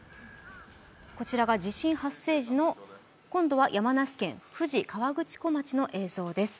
こちらが地震発生時の今度は山梨県富士河口湖町の映像です。